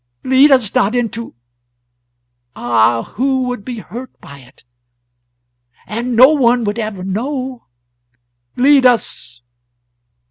... Lead us not into ... Ah, who would be hurt by it? and no one would ever know ... Lead us